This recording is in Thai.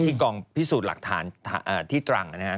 ที่กองพิสูจน์หลักฐานที่ตรังนะฮะ